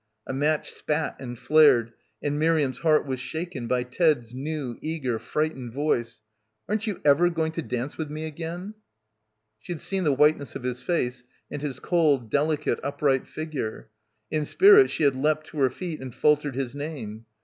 A match spat and flared and Miriam's heart was shaken by Ted's new, eager, frightened voice. "Aren't you ever going to dance with me again?" She had seen the whiteness of his face and his cold, delicate, upright figure. In spirit she had leapt to her feet and faltered his name.